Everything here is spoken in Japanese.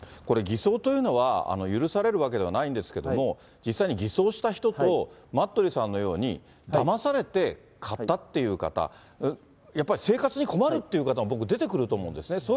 これ、偽装というのは、許されるわけではないんですけども、実際に偽装した人と待鳥さんのようにだまされて買ったという方、やっぱり生活に困るっていう方が僕、出てくると思うんですね。